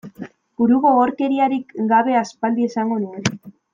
Burugogorkeriarik gabe aspaldi esango nuen.